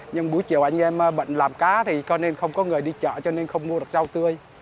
nhưng buổi chiều anh em bận làm cá thì cho nên không có người đi chợ cho nên không mua được rau tươi